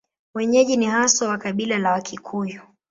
Wenyeji ni haswa wa kabila la Wakikuyu.